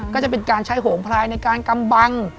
ก็จะเป็นการใช้โหงพลายในการกำบัง